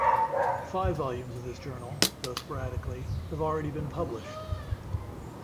Five volumes of this journal, though sporadically, have already been published.